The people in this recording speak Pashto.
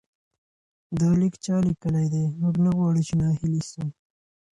دا لیک چا لیکلی دی؟ موږ نه غواړو چې ناهیلي سو.